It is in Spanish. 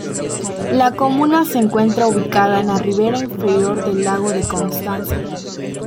La comuna se encuentra ubicada en la ribera inferior del lago de Constanza.